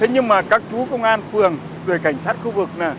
nhưng các chú công an phường cảnh sát khu vực